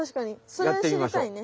それしりたいね。